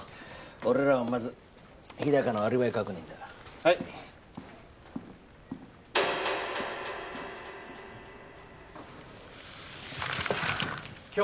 俺らはまず日高のアリバイ確認だはい今日